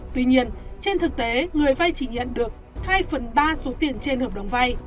tuy nhiên trên thực tế người vay chỉ nhận được hai phần ba số tiền trên hợp đồng vay